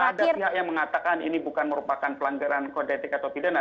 ada pihak yang mengatakan ini bukan merupakan pelanggaran kode etik atau pidana